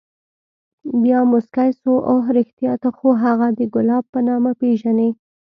بيا موسكى سو اوه رښتيا ته خو هغه د ګلاب په نامه پېژنې.